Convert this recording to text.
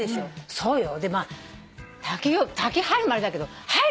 そうよね。